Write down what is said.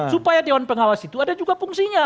supaya dewan pengawas itu ada juga fungsinya